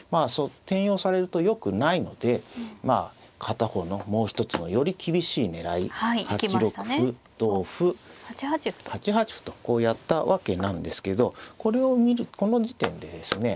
転用されるとよくないのでまあ片方のもう一つのより厳しい狙い８六歩同歩８八歩とこうやったわけなんですけどこの時点でですね